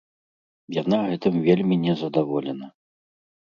Яна гэтым вельмі незадаволена.